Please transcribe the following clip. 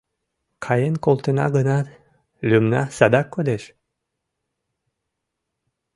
Каен колтена гынат, лӱмна садак кодеш.